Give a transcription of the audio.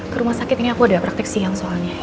ke rumah sakit ini aku ada praktek siang soalnya